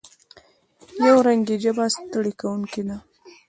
یو رنګي ژبه ستړې کوونکې ده.